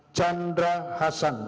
ulangi chandra hassan